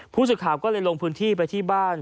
ผู้สื่อข่าวก็เลยลงพื้นที่ไปที่บ้าน